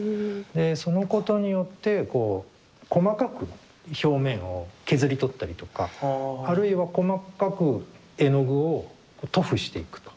そのことによってこう細かく表面を削り取ったりとかあるいは細かく絵の具を塗布していくと。